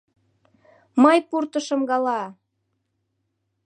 Мый пуртышым гала!